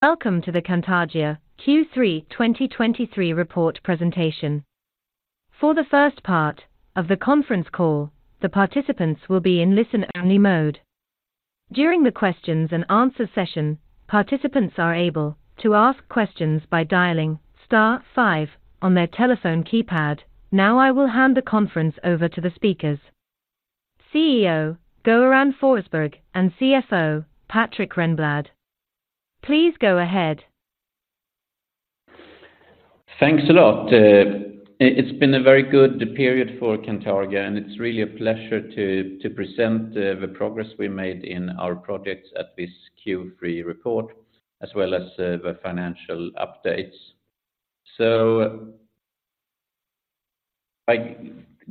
Welcome to the Cantargia Q3 2023 Report Presentation. For the first part of the conference call, the participants will be in listen-only mode. During the questions and answer session, participants are able to ask questions by dialing star five on their telephone keypad. Now, I will hand the conference over to the speakers, CEO Göran Forsberg, and CFO, Patrik Renblad. Please go ahead. Thanks a lot. It's been a very good period for Cantargia, and it's really a pleasure to present the progress we made in our projects at this Q3 report, as well as the financial updates. So by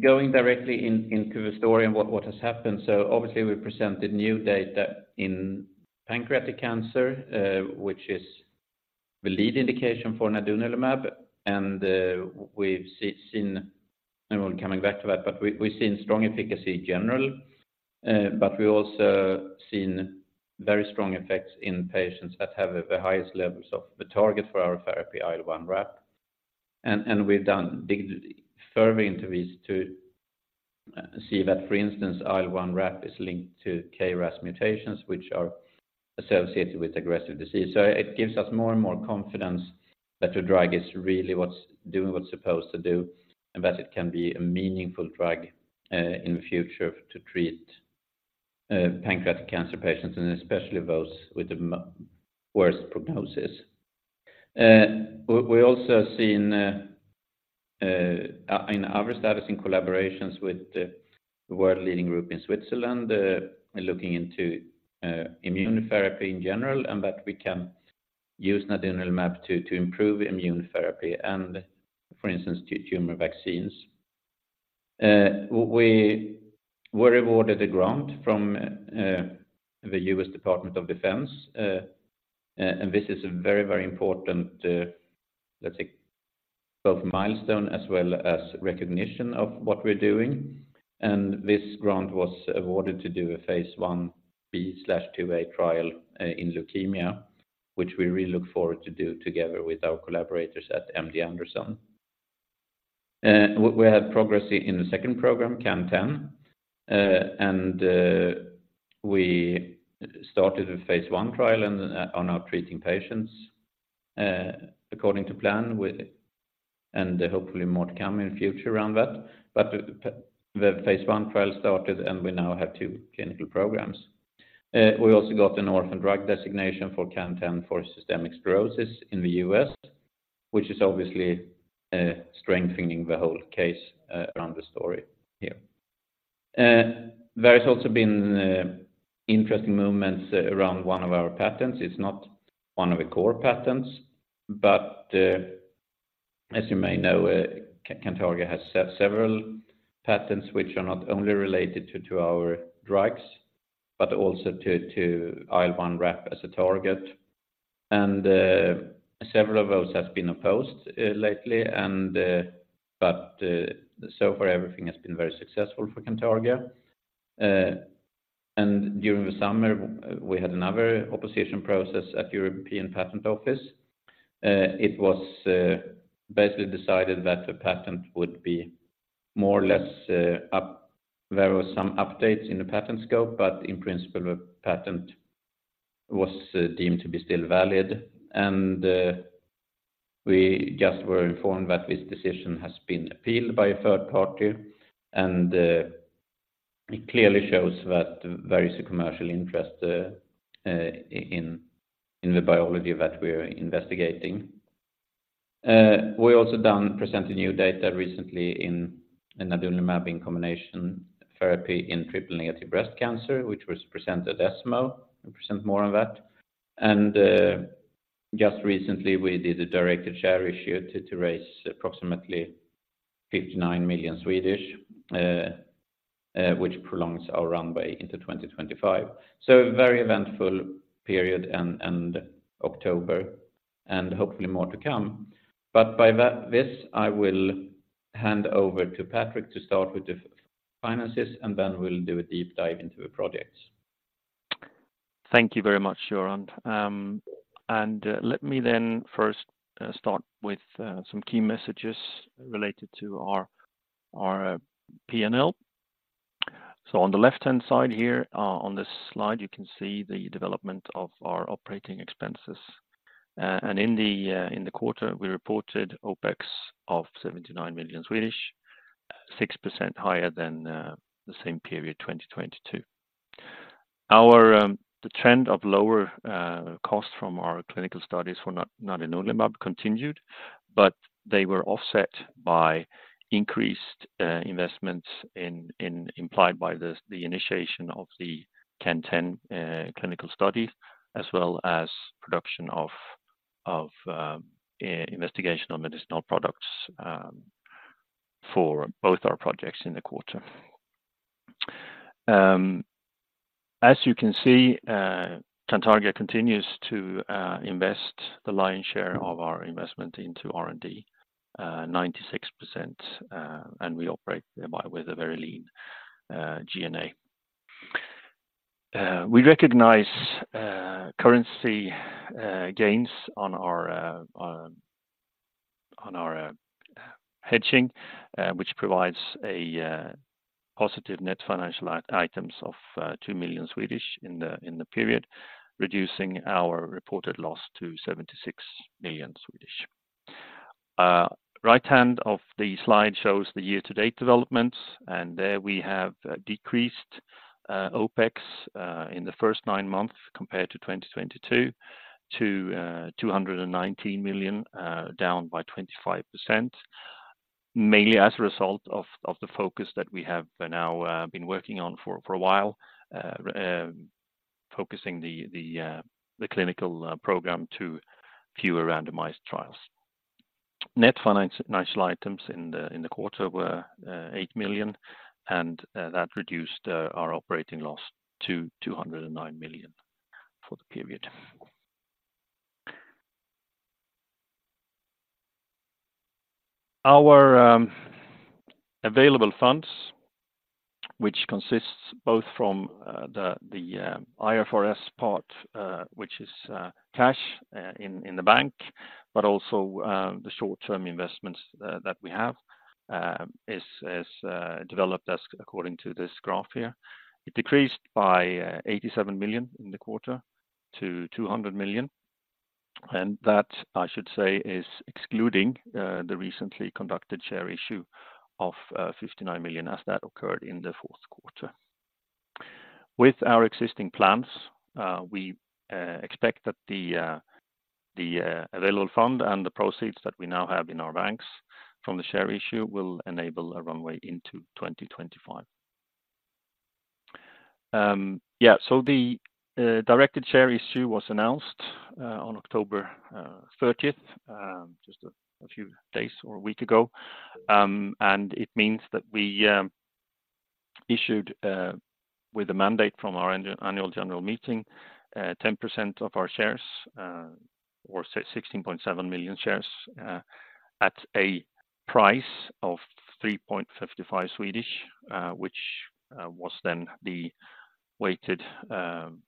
going directly into the story and what has happened, so obviously, we presented new data in pancreatic cancer, which is the lead indication for nadunolimab. And we've seen... And we're coming back to that, but we've seen strong efficacy in general, but we also seen very strong effects in patients that have the highest levels of the target for our therapy, IL-1RAP. And we've done further into this to see that, for instance, IL-1RAP is linked to KRAS mutations, which are associated with aggressive disease. So it gives us more and more confidence that the drug is really what's doing what it's supposed to do, and that it can be a meaningful drug in the future to treat pancreatic cancer patients, and especially those with the worst prognosis. We also seen in other studies, in collaborations with the world-leading group in Switzerland, looking into immune therapy in general, and that we can use nadunolimab to improve immune therapy and, for instance, to tumor vaccines. We were awarded a grant from the U.S. Department of Defense, and this is a very, very important, let's say, both milestone as well as recognition of what we're doing. And this grant was awarded to do a Phase Ib/IIa trial in leukemia, which we really look forward to do together with our collaborators at MD Anderson. We had progress in the second program, CAN10, and we started a Phase I trial and are now treating patients according to plan, and hopefully, more to come in future around that. But the Phase I trial started, and we now have two clinical programs. We also got an orphan drug designation for CAN10 for systemic sclerosis in the U.S., which is obviously strengthening the whole case around the story here. There's also been interesting moments around one of our patents. It's not one of the core patents, but as you may know, Cantargia has several patents, which are not only related to our drugs, but also to IL-1RAP as a target. And several of those has been opposed lately and, but so far, everything has been very successful for Cantargia. And during the summer, we had another opposition process at European Patent Office. It was basically decided that the patent would be more or less up. There were some updates in the patent scope, but in principle, the patent was deemed to be still valid. And we just were informed that this decision has been appealed by a third party, and it clearly shows that there is a commercial interest in the biology that we're investigating. We also done presented new data recently in nadunolimab in combination therapy in triple-negative breast cancer, which was presented at ESMO. We'll present more on that. And just recently, we did a directed share issue to raise approximately 59 million, which prolongs our runway into 2025. So a very eventful period and October, and hopefully more to come. But by that, this, I will hand over to Patrik to start with the finances, and then we'll do a deep dive into the projects. Thank you very much, Göran. Let me then first start with some key messages related to our P&L. On the left-hand side here, on this slide, you can see the development of our operating expenses. In the quarter, we reported OPEX of 79 million SEK, 6% higher than the same period, 2022. The trend of lower cost from our clinical studies for nadunolimab continued, but they were offset by increased investments implied by the initiation of the CAN10 clinical study, as well as production of investigational medicinal products for both our projects in the quarter. As you can see, Cantargia continues to invest the lion's share of our investment into R&D, 96%, and we operate with a very lean G&A. We recognize currency gains on our hedging, which provides a positive net financial items of 2 million in the period, reducing our reported loss to 76 million. Right hand of the slide shows the year-to-date developments, and there we have decreased OpEx in the first nine months compared to 2022, to 219 million, down by 25%, mainly as a result of the focus that we have now been working on for a while, focusing the clinical program to fewer randomized trials. Net financial items in the quarter were 8 million, and that reduced our operating loss to 209 million for the period. Our available funds, which consists both from the IFRS part, which is cash in the bank, but also the short-term investments that we have, is developed as according to this graph here. It decreased by 87 million in the quarter to 200 million, and that, I should say, is excluding the recently conducted share issue of 59 million, as that occurred in the Q4. With our existing plans, we expect that the available fund and the proceeds that we now have in our banks from the share issue will enable a runway into 2025. Yeah, so the directed share issue was announced on October thirtieth, just a few days or a week ago. And it means that we issued, with a mandate from our annual general meeting, 10% of our shares, or say 16.7 million shares, at a price of 3.55 SEK, which was then the weighted volume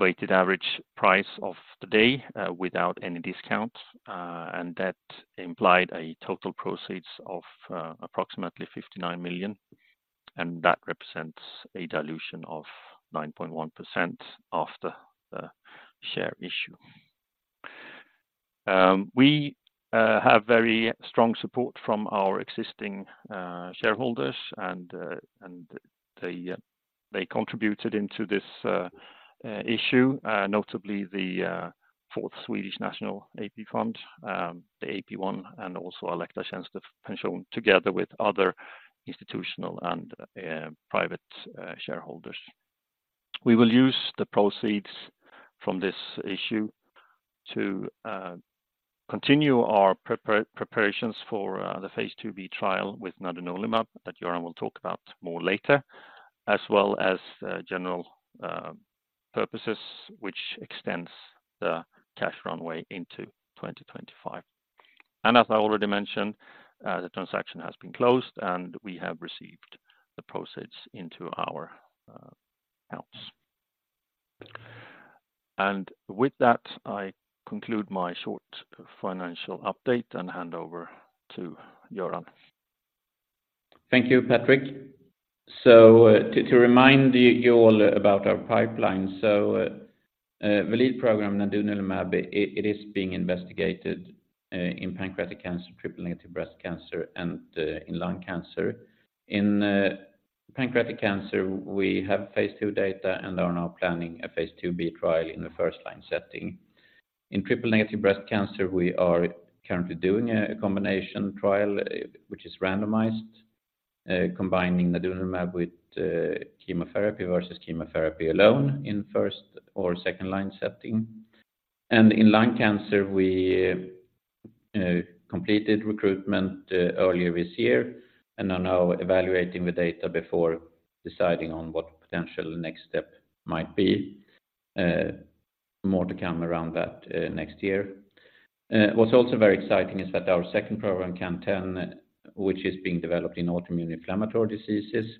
weighted average price of the day, without any discount, and that implied total proceeds of approximately 59 million, and that represents a dilution of 9.1% after the share issue. We have very strong support from our existing shareholders, and they contributed into this issue, notably the Fourth Swedish National AP Fund, the AP1, and also Alecta Tjänstepension, together with other institutional and private shareholders. We will use the proceeds from this issue to continue our preparations for the Phase IIB trial with nadunolimab, that Göran will talk about more later, as well as general purposes, which extends the cash runway into 2025. As I already mentioned, the transaction has been closed, and we have received the proceeds into our accounts. With that, I conclude my short financial update and hand over to Göran. Thank you, Patrik. So, to remind you all about our pipeline, our lead program nadunolimab, it is being investigated in pancreatic cancer, triple-negative breast cancer, and in lung cancer. In pancreatic cancer, we have Phase II data and are now planning a Phase IIB trial in the first-line setting. In triple-negative breast cancer, we are currently doing a combination trial, which is randomized, combining nadunolimab with chemotherapy versus chemotherapy alone in first- or second-line setting. And in lung cancer, we completed recruitment earlier this year and are now evaluating the data before deciding on what potential next step might be. More to come around that next year. What's also very exciting is that our second program, CANxx, which is being developed in autoimmune inflammatory diseases,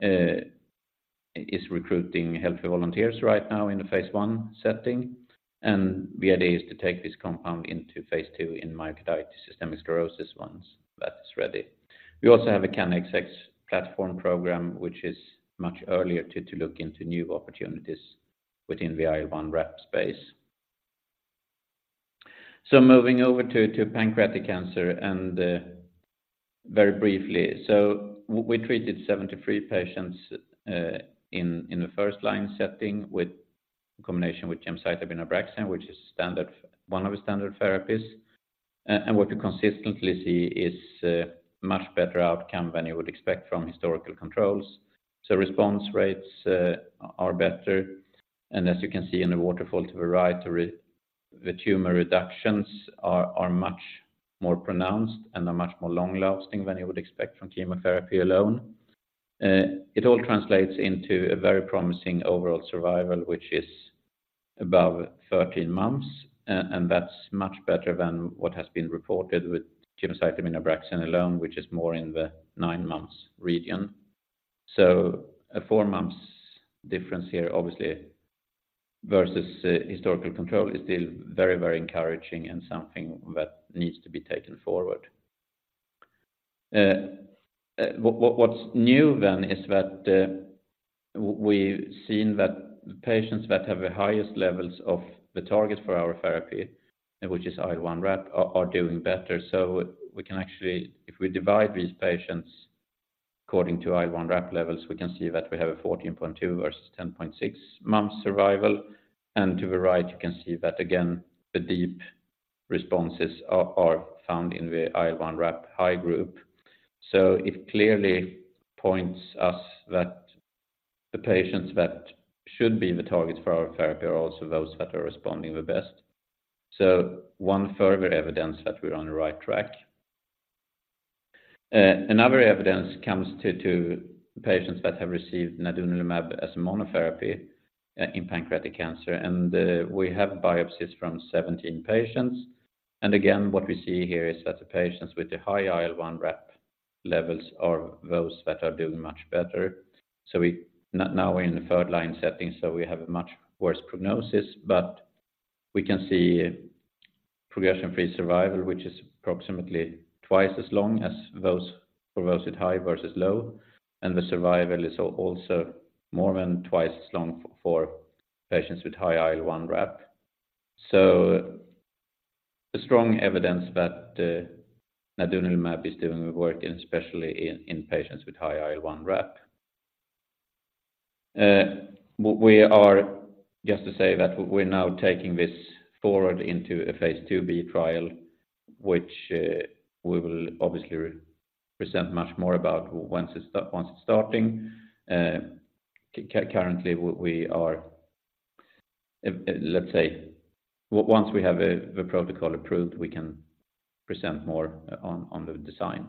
is recruiting healthy volunteers right now in the Phase I setting, and the idea is to take this compound into Phase II in myocarditis systemic sclerosis once that's ready. We also have a CAN-XX platform program, which is much earlier to look into new opportunities within the IL1RAP space. So moving over to pancreatic cancer and, very briefly, we treated 73 patients in the first line setting with combination with gemcitabine Abraxane, which is standard, one of the standard therapies. And what we consistently see is much better outcome than you would expect from historical controls. So response rates are better, and as you can see in the waterfall to the right, the tumor reductions are much more pronounced and are much more long-lasting than you would expect from chemotherapy alone. It all translates into a very promising overall survival, which is above 13 months, and that's much better than what has been reported with gemcitabine nab-paclitaxel alone, which is more in the 9 months region. So a 4 months difference here, obviously, versus historical control is still very, very encouraging and something that needs to be taken forward. What's new then is that we've seen that patients that have the highest levels of the target for our therapy, which is IL1RAP, are doing better. So we can actually, if we divide these patients according to IL1RAP levels, we can see that we have a 14.2 versus 10.6 months survival. And to the right, you can see that again, the deep responses are found in the IL1RAP high group. So it clearly points us that the patients that should be the target for our therapy are also those that are responding the best. So one further evidence that we're on the right track. Another evidence comes to patients that have received nadunolimab as monotherapy in pancreatic cancer, and we have biopsies from 17 patients. And again, what we see here is that the patients with the high IL1RAP levels are those that are doing much better. So now we're in the third line setting, so we have a much worse prognosis, but we can see progression-free survival, which is approximately twice as long as those for those with high versus low, and the survival is also more than twice as long for patients with high IL1RAP. So a strong evidence that nadunolimab is doing the work, especially in patients with high IL1RAP. We are just to say that we're now taking this forward into a Phase IIB trial, which we will obviously re-present much more about once it's starting. Currently, we are... Let's say, once we have the protocol approved, we can present more on the design.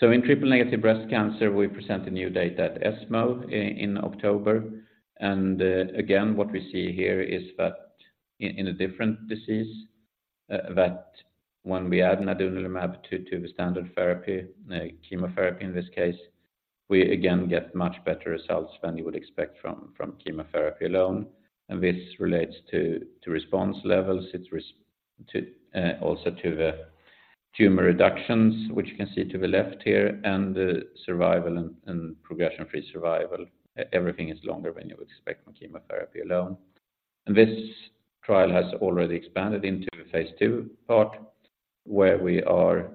So in triple-negative breast cancer, we present the new data at ESMO in October. Again, what we see here is that in a different disease, that when we add nadunolimab to the standard therapy, chemotherapy, in this case, we again get much better results than you would expect from chemotherapy alone, and this relates to response levels, also to the tumor reductions, which you can see to the left here, and the survival and progression-free survival. Everything is longer than you would expect from chemotherapy alone. This trial has already expanded into the Phase II part, where we are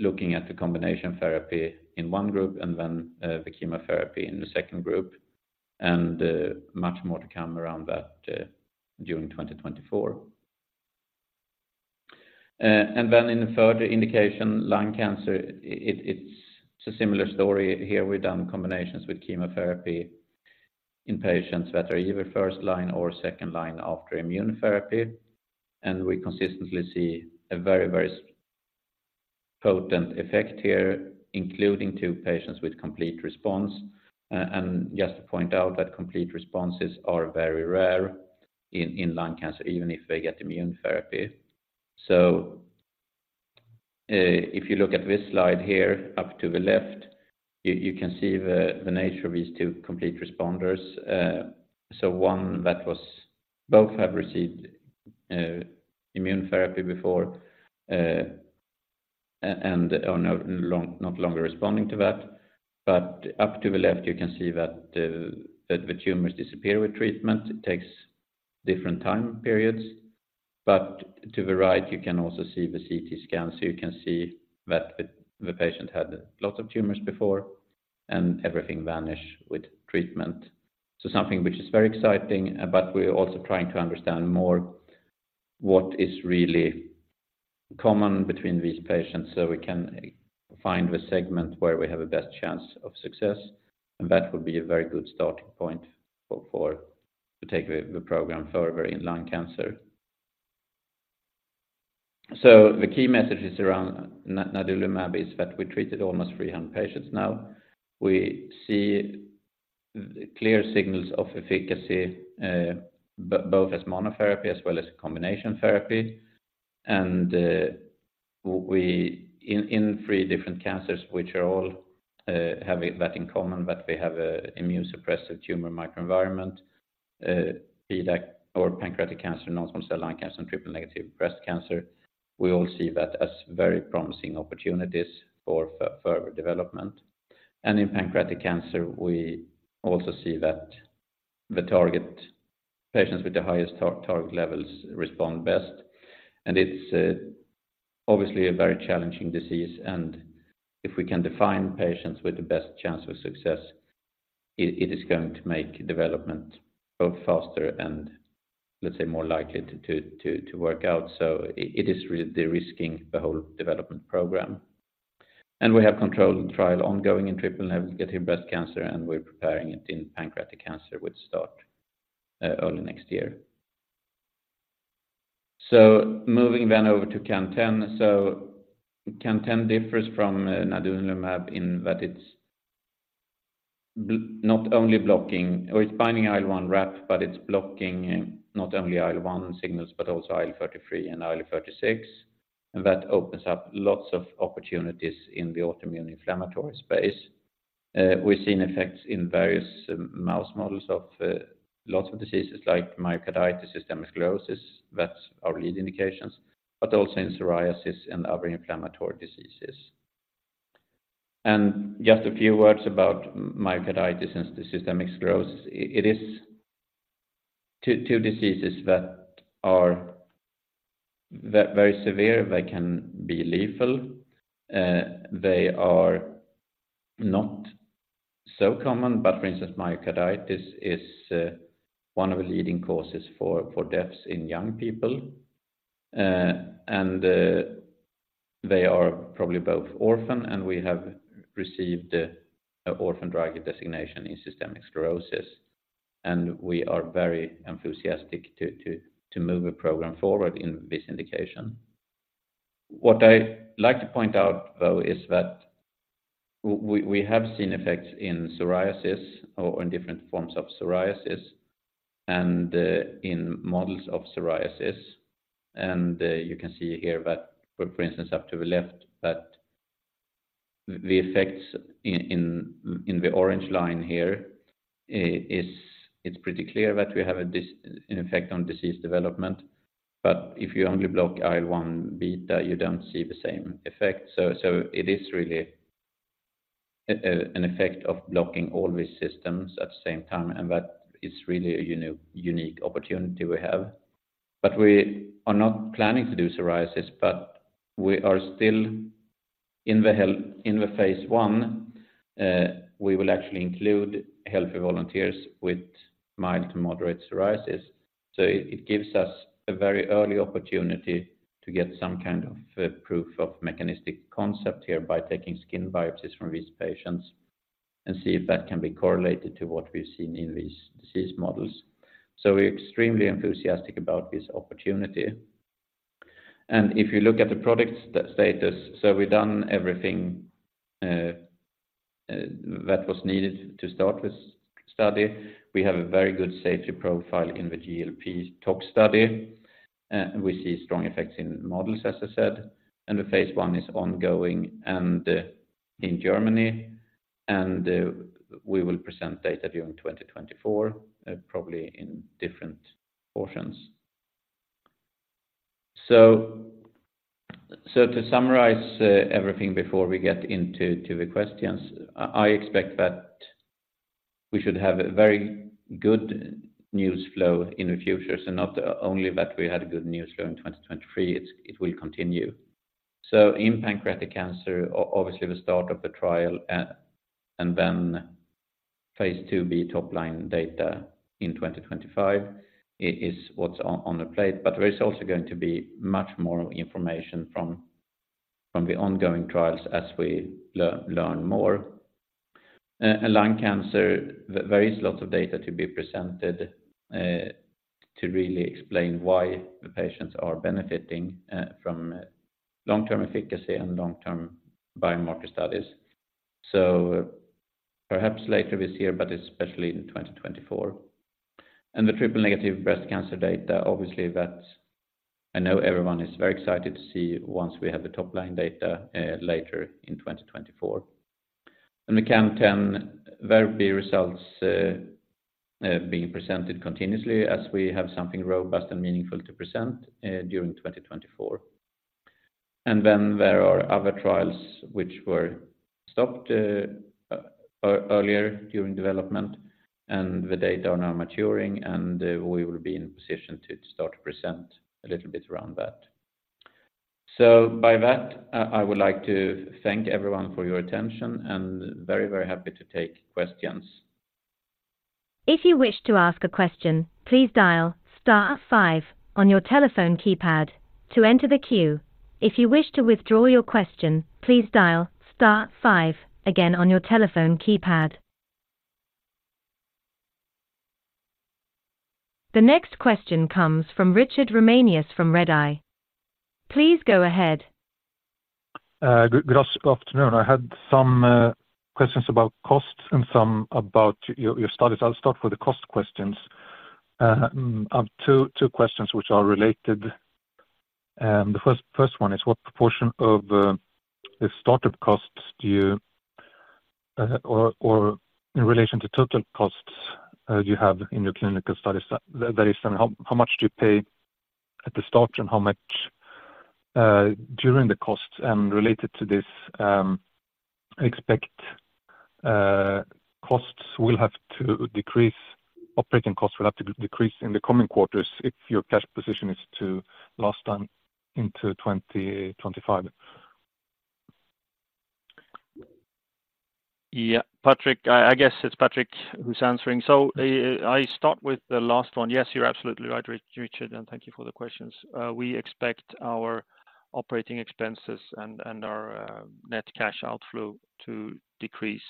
looking at the combination therapy in one group and then the chemotherapy in the second group, and much more to come around that during 2024. And then in the further indication, lung cancer, it, it's a similar story. Here, we've done combinations with chemotherapy in patients that are either first line or second line after immune therapy, and we consistently see a very, very potent effect here, including two patients with complete response. And just to point out that complete responses are very rare in lung cancer, even if they get immune therapy. So, if you look at this slide here, up to the left, you can see the nature of these two complete responders. So one that was both have received immune therapy before and are no longer responding to that. But up to the left, you can see that the tumors disappear with treatment. It takes different time periods, but to the right, you can also see the CT scan. So you can see that the patient had a lot of tumors before, and everything vanished with treatment. So something which is very exciting, but we are also trying to understand more what is really common between these patients so we can find the segment where we have a best chance of success, and that would be a very good starting point for to take the program further in lung cancer. So the key messages around nadunolimab is that we treated almost 300 patients now. We see clear signals of efficacy, both as monotherapy as well as combination therapy. And we in three different cancers, which are all have that in common, but we have a immune suppressive tumor microenvironment, be that or pancreatic cancer, non-small cell lung cancer, and triple-negative breast cancer. We all see that as very promising opportunities for further development. In pancreatic cancer, we also see that the target patients with the highest target levels respond best. It's obviously a very challenging disease, and if we can define patients with the best chance of success, it is going to make development both faster and, let's say, more likely to work out. So it is really de-risking the whole development program. We have controlled trial ongoing in triple-negative breast cancer, and we're preparing it in pancreatic cancer, which starts early next year. So moving then over to CAN10. CAN10 differs from nadunolimab in that it's binding IL1RAP, but it's blocking not only IL-1 signals, but also IL-33 and IL-36. That opens up lots of opportunities in the autoimmune inflammatory space. We've seen effects in various mouse models of lots of diseases like myocarditis, systemic sclerosis. That's our lead indications, but also in psoriasis and other inflammatory diseases. Just a few words about myocarditis and the systemic sclerosis. It is two diseases that are very, very severe. They can be lethal. They are not so common, but for instance, myocarditis is one of the leading causes for deaths in young people. And they are probably both orphan, and we have received a orphan drug designation in systemic sclerosis, and we are very enthusiastic to move the program forward in this indication. What I like to point out, though, is that we have seen effects in psoriasis or in different forms of psoriasis and in models of psoriasis. You can see here that, for instance, up to the left, that the effects in the orange line here, it's pretty clear that we have an effect on disease development. But if you only block IL-1 beta, you don't see the same effect. So it is really an effect of blocking all these systems at the same time, and that is really a unique opportunity we have. But we are not planning to do psoriasis, but we are still in the Phase I, we will actually include healthy volunteers with mild to moderate psoriasis. So it gives us a very early opportunity to get some kind of a proof of mechanistic concept here by taking skin biopsies from these patients and see if that can be correlated to what we've seen in these disease models. So we're extremely enthusiastic about this opportunity. And if you look at the product status, so we've done everything that was needed to start this study. We have a very good safety profile in the GLP tox study, we see strong effects in models, as I said, and the Phase I is ongoing, and in Germany. And we will present data during 2024, probably in different portions. So to summarize, everything before we get into the questions, I expect that we should have a very good news flow in the future. So not only that we had a good news flow in 2023, it will continue. So in pancreatic cancer, obviously, the start of the trial, and then Phase IIB top line data in 2025 is what's on the plate. But there is also going to be much more information from the ongoing trials as we learn more. Lung cancer, there is lots of data to be presented to really explain why the patients are benefiting from long-term efficacy and long-term biomarker studies. So perhaps later this year, but especially in 2024. And the triple-negative breast cancer data, obviously, that I know everyone is very excited to see once we have the top line data later in 2024. And the CAN10, there will be results being presented continuously as we have something robust and meaningful to present during 2024. And then there are other trials which were stopped earlier during development, and we will be in a position to start to present a little bit around that. So, by that, I would like to thank everyone for your attention and very, very happy to take questions. If you wish to ask a question, please dial star five on your telephone keypad to enter the queue. If you wish to withdraw your question, please dial star five again on your telephone keypad. The next question comes from Richard Ramanius from Redeye. Please go ahead. Good afternoon. I had some questions about costs and some about your studies. I'll start with the cost questions. Two questions which are related, and the first one is, what proportion of the startup costs do you or in relation to total costs you have in your clinical studies? That is, how much do you pay at the start and how much during the costs and related to this, expected costs will have to decrease, operating costs will have to decrease in the coming quarters if your cash position is to last into 2025. Yeah, Patrik, I guess it's Patrik who's answering. So I start with the last one. Yes, you're absolutely right, Richard, and thank you for the questions. We expect our operating expenses and our net cash outflow to decrease....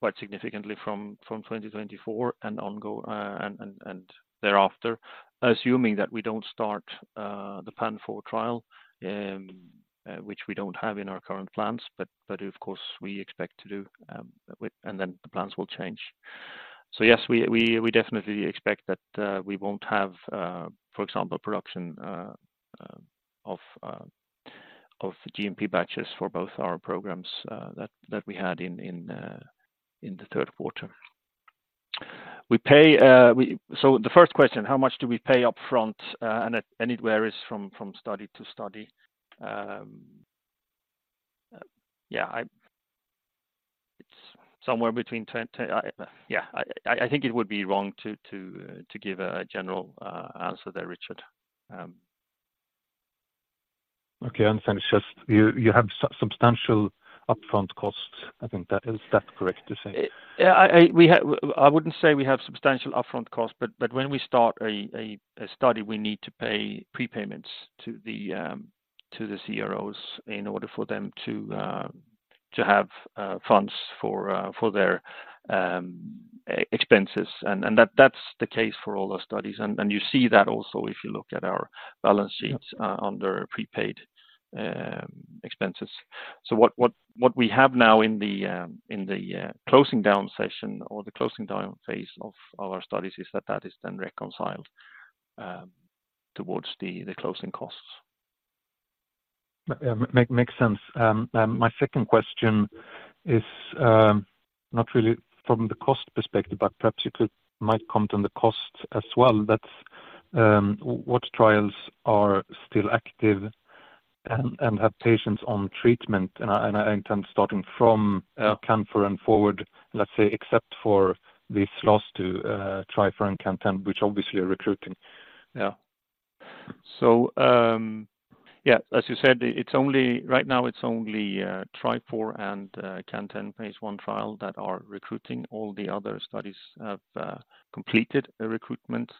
quite significantly from 2024 and ongoing, and thereafter, assuming that we don't start the PANFOUR trial, which we don't have in our current plans, but of course, we expect to do with, and then the plans will change. So yes, we definitely expect that we won't have, for example, production of GMP batches for both our programs that we had in the Q3. We pay. So the first question, how much do we pay up front? And it varies from study to study. Yeah, I— It's somewhere between 10, 10... Yeah, I think it would be wrong to give a general answer there, Richard. Okay, I understand. It's just you, you have substantial upfront costs. I think that, is that correct to say? Yeah, we have... I wouldn't say we have substantial upfront costs, but when we start a study, we need to pay prepayments to the CROs in order for them to have funds for their expenses. And that's the case for all our studies. And you see that also, if you look at our balance sheets- Yep. under prepaid expenses. So what we have now in the closing down session or the closing down phase of our studies is that that is then reconciled toward the closing costs. Makes sense. My second question is not really from the cost perspective, but perhaps you could might comment on the cost as well. That's what trials are still active and have patients on treatment? And I intend starting from CANFOUR and forward, let's say, except for the SLOS2, TRIFOUR, and CAN10, which obviously are recruiting. Yeah. So, yeah, as you said, it's only right now, it's only TRIFOUR and CAN10 Phase I trial that are recruiting. All the other studies have completed the recruitment.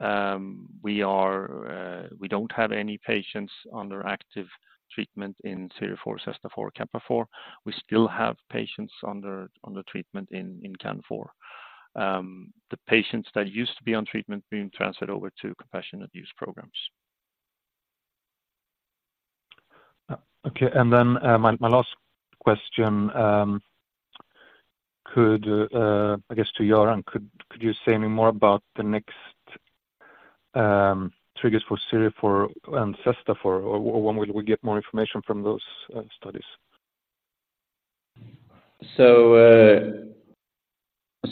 We don't have any patients under active treatment in CIRIFOUR, CESTAFOUR, CAPAFOUR. We still have patients under treatment in CANFOUR. The patients that used to be on treatment being transferred over to compassionate use programs. Okay, and then, my last question, I guess, to Göran, could you say any more about the next triggers for CIRIFOUR and CESTAFOUR, or when will we get more information from those studies? So,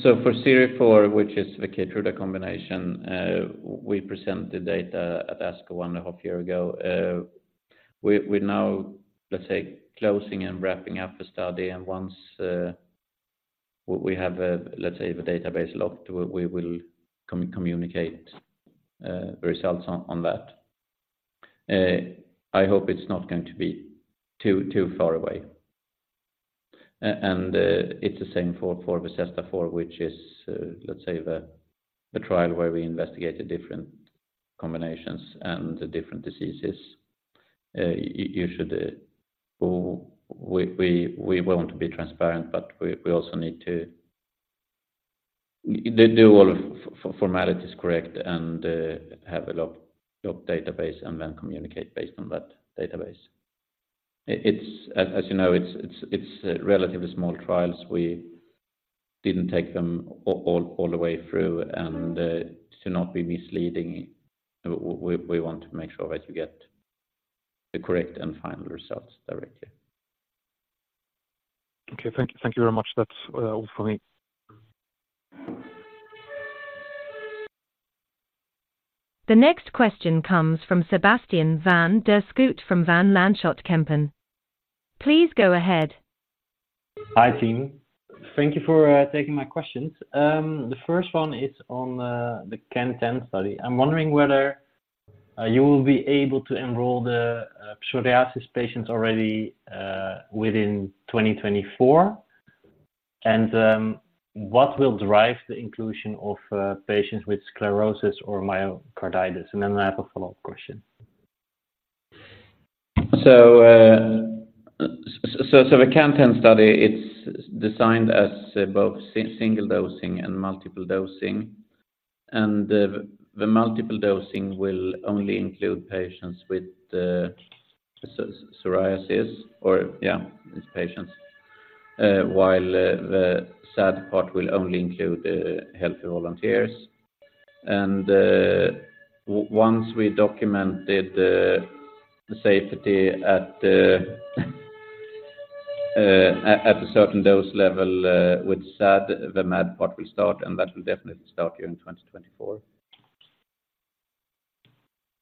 for SIRI4, which is the Keytruda combination, we presented data at ASCO 1.5 years ago. We now, let's say, closing and wrapping up a study, and once we have a, let's say, the database locked, we will communicate the results on that. I hope it's not going to be too far away. And it's the same for the SESTA4, which is, let's say, the trial where we investigate the different combinations and the different diseases. You should, we want to be transparent, but we also need to do all of formalities correct and have a locked database and then communicate based on that database. It's, as you know, it's relatively small trials. We didn't take them all the way through, and to not be misleading, we want to make sure that you get the correct and final results directly. Okay, thank you. Thank you very much. That's all for me. The next question comes from Sebastiaan Van Der Schoot from Van Lanschot Kempen. Please go ahead. Hi, team. Thank you for taking my questions. The first one is on the CAN10 study. I'm wondering whether you will be able to enroll the psoriasis patients already within 2024? And what will drive the inclusion of patients with sclerosis or myocarditis? And then I have a follow-up question. So, the CAN10 study, it's designed as both single dosing and multiple dosing, and the multiple dosing will only include patients with psoriasis or these patients, while the SAD part will only include healthy volunteers. And once we documented the safety at a certain dose level with SAD, the MAD part will start, and that will definitely start here in 2024.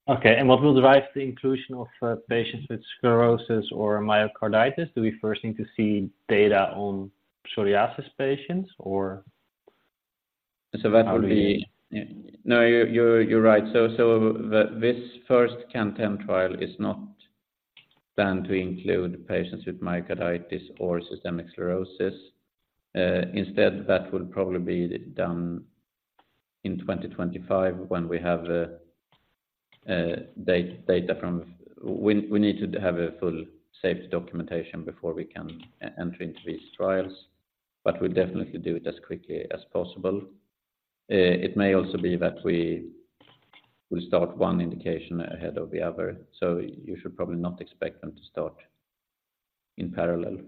Okay, and what will drive the inclusion of patients with sclerosis or myocarditis? Do we first need to see data on psoriasis patients or? So that will be- How do you- No, you're right. So, this first CAN10 trial is not planned to include patients with myocarditis or systemic sclerosis. Instead, that will probably be done in 2025 when we have data from—we need to have a full safety documentation before we can enter into these trials, but we'll definitely do it as quickly as possible. It may also be that we will start one indication ahead of the other, so you should probably not expect them to start in parallel.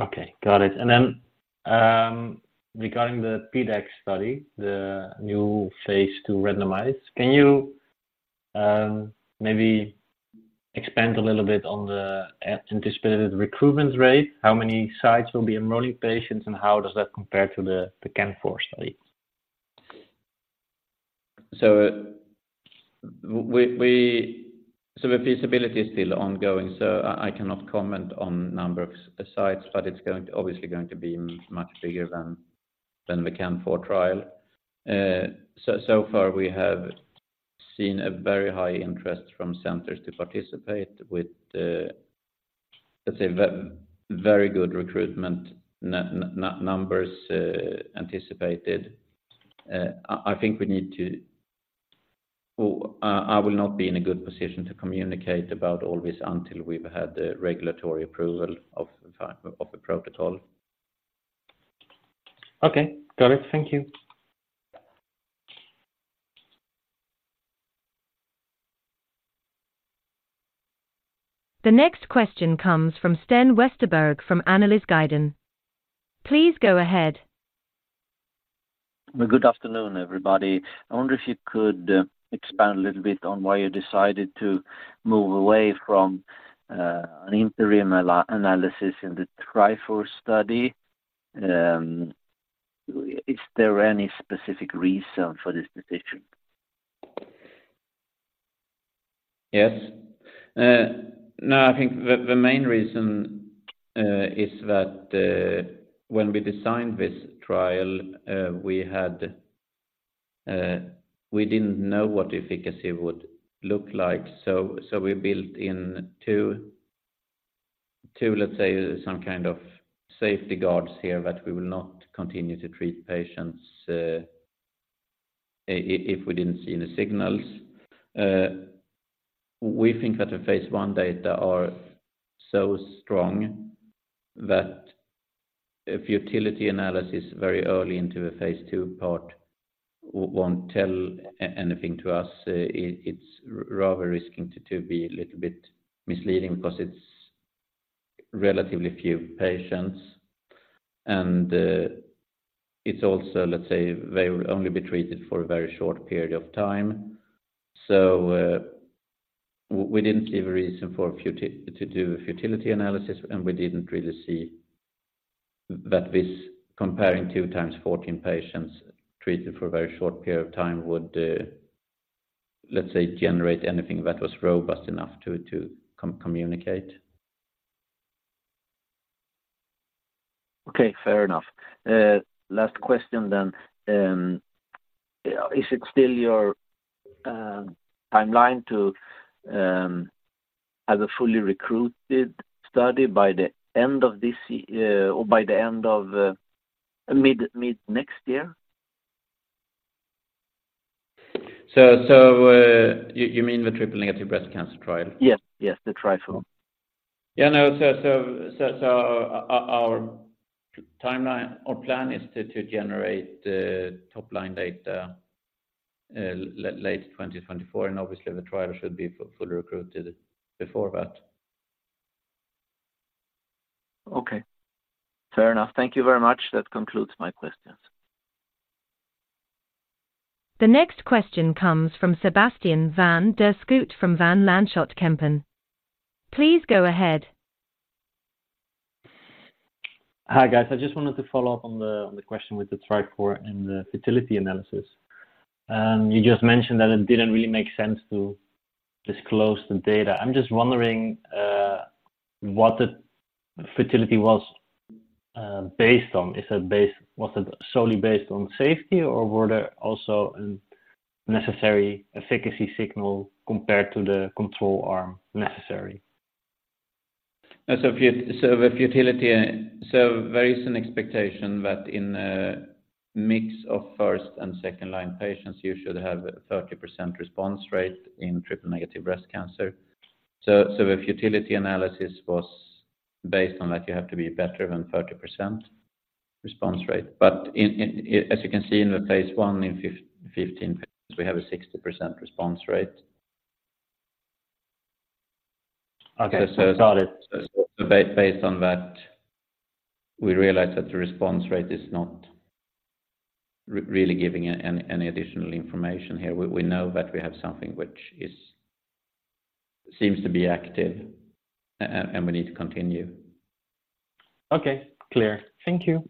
Okay, got it. Then, regarding the PDAC study, the new Phase II randomized, can you maybe expand a little bit on the anticipated recruitment rate? How many sites will be enrolling patients, and how does that compare to the CAN04 study? So the feasibility is still ongoing, so I cannot comment on number of sites, but it's going to obviously be much bigger than the CAN04 trial. So far we have seen a very high interest from centers to participate with, let's say, very good recruitment numbers anticipated. I think we need to... Well, I will not be in a good position to communicate about all this until we've had the regulatory approval of the protocol. Okay, got it. Thank you. The next question comes from Sten Westerberg from Analysguiden. Please go ahead. Well, good afternoon, everybody. I wonder if you could expand a little bit on why you decided to move away from an interim analysis in the TRIFOUR study. Is there any specific reason for this decision? Yes. No, I think the main reason is that when we designed this trial, we had, we didn't know what efficacy would look like. So we built in 2, let's say, some kind of safety guards here, that we will not continue to treat patients if we didn't see the signals. We think that the Phase I data are so strong that a futility analysis very early into the Phase II part won't tell anything to us. It's rather risking to be a little bit misleading because it's relatively few patients, and it's also, let's say, they will only be treated for a very short period of time. So, we didn't see a reason to do a futility analysis, and we didn't really see that this comparing 2 times 14 patients treated for a very short period of time would, let's say, generate anything that was robust enough to communicate. Okay, fair enough. Last question then. Is it still your timeline to have a fully recruited study by the end of this year or by the end of mid-next year? So, you mean the triple-negative breast cancer trial? Yes. Yes, the TRIFOUR. Yeah, no, so our timeline or plan is to generate top-line data late 2024, and obviously the trial should be fully recruited before that. Okay, fair enough. Thank you very much. That concludes my questions. The next question comes from Sebastiaan Van Der Schoot from Van Lanschot Kempen. Please go ahead. Hi, guys. I just wanted to follow up on the, on the question with the TRIFOUR and the futility analysis. You just mentioned that it didn't really make sense to disclose the data. I'm just wondering what the futility was based on. Is it based... Was it solely based on safety, or were there also a necessary efficacy signal compared to the control arm necessary? So the futility, there is an expectation that in a mix of first- and second-line patients, you should have a 30% response rate in triple-negative breast cancer. So the futility analysis was based on that you have to be better than 30% response rate. But as you can see in the Phase I, in 15, we have a 60% response rate. Okay, got it. So based on that, we realized that the response rate is not really giving any additional information here. We know that we have something which seems to be active, and we need to continue. Okay, clear. Thank you.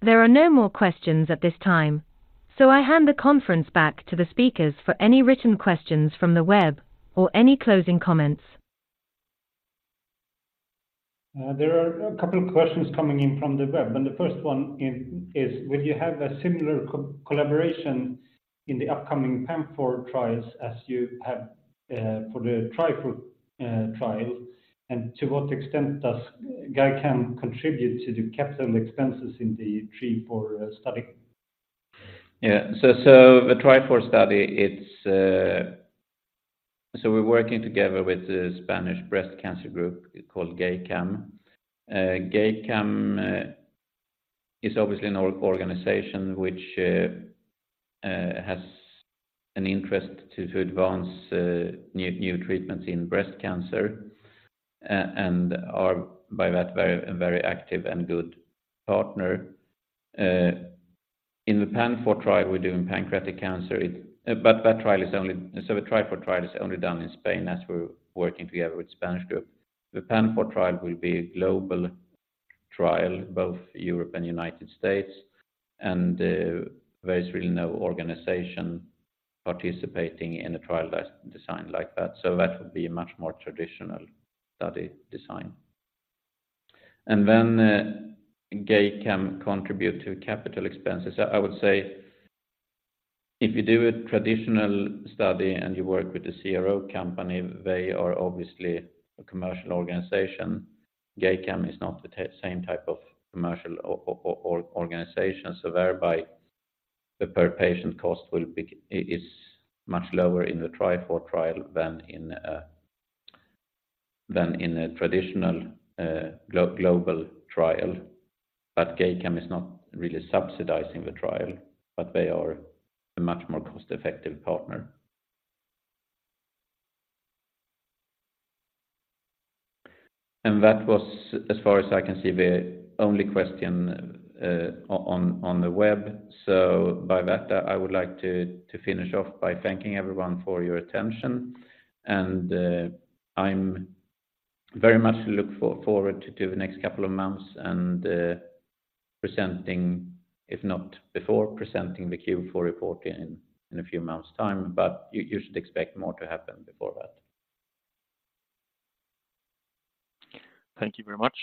There are no more questions at this time, so I hand the conference back to the speakers for any written questions from the web or any closing comments. There are a couple of questions coming in from the web, and the first one is: Will you have a similar collaboration in the upcoming PANFOUR trials as you have for the TRIFOUR trial? And to what extent does GEICAM contribute to the capital expenses in the TRIFOUR study? Yeah, so the TRIFOUR study, it's so we're working together with the Spanish breast cancer group called GEICAM. GEICAM is obviously an organization which has an interest to advance new treatments in breast cancer, and are by that very a very active and good partner. In the PANFOUR trial, we're doing pancreatic cancer. But that trial is only so the TRIFOUR trial is only done in Spain, as we're working together with Spanish group. The PANFOUR trial will be a global trial, both Europe and United States, and there is really no organization participating in a trial designed like that. So that would be a much more traditional study design. And then GEICAM contribute to capital expenses. I would say, if you do a traditional study and you work with the CRO company, they are obviously a commercial organization. GEICAM is not the same type of commercial organization, so thereby, the per patient cost will be, is much lower in the TRIFOUR trial than in a traditional global trial. But GEICAM is not really subsidizing the trial, but they are a much more cost-effective partner. That was, as far as I can see, the only question on the web. So, by that, I would like to finish off by thanking everyone for your attention, and I'm very much looking forward to the next couple of months and presenting, if not before, the Q4 report in a few months' time, but you should expect more to happen before that. Thank you very much.